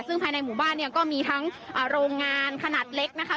ซึ่งภายในหมู่บ้านเนี่ยก็มีทั้งโรงงานขนาดเล็กนะคะ